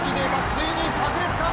ついにさく裂か！？